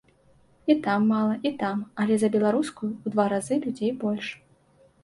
І там мала, і там, але за беларускую ў два разы людзей больш.